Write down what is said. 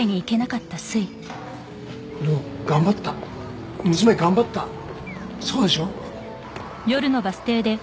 でも頑張った娘頑張ったそうでしょう？